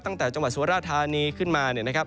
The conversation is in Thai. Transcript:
ตั้งแต่จังหวัดสวรรษฐานีขึ้นมาเนี่ยนะครับ